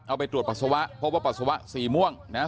เอาไปตรวจปัสสาวะพบว่าปัสสาวะสีม่วงนะฮะ